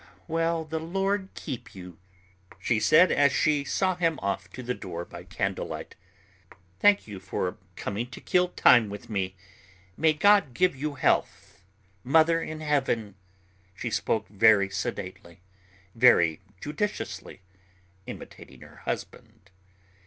"Well, the Lord keep you," she said, as she saw him off to the door by candlelight. "Thank you for coming to kill time with me. May God give you health. Mother in Heaven!" She spoke very sedately, very judiciously, imitating her husband.